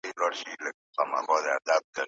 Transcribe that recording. هغه سيستم چي موږ يې لرو، بايد اصلاح سي.